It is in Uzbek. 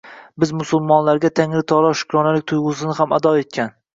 Biz musulmoniyaga Tangri taolo shukronalik tuyg‘usini ham ato etgan.